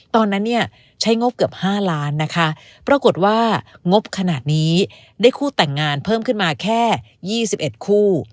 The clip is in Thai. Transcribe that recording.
ตอนนั้นเนี่ยใช้งบเกือบ๕ล้านนะคะปรากฏว่างบขนาดนี้ได้คู่แต่งงานเพิ่มขึ้นมาแค่๒๑คู่